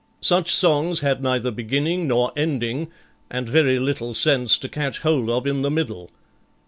Such songs had neither beginning nor ending, and very little sense to catch hold of in the middle.